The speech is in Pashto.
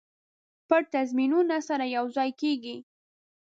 پټ تنظیمونه سره یو ځای کیږي.